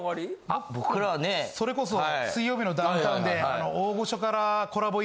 あっ僕らはね。それこそ『水曜日のダウンタウン』で。